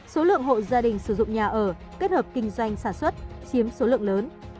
số lượng hộ gia đình sử dụng nhà ở kết hợp kinh doanh sản xuất chiếm số lượng lớn